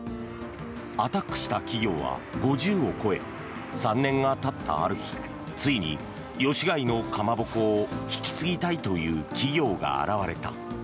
アタックした企業は５０を超え３年がたったある日ついに、吉開のかまぼこを引き継ぎたいという企業が現れた。